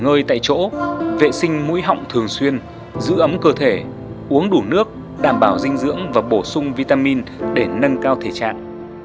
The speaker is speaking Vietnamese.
ngơi tại chỗ vệ sinh mũi họng thường xuyên giữ ấm cơ thể uống đủ nước đảm bảo dinh dưỡng và bổ sung vitamin để nâng cao thể trạng